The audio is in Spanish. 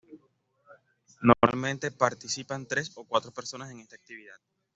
Normalmente participan tres o cuatro personas en esta actividad.